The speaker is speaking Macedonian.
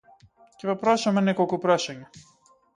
Ќе ве прашаме неколку прашања.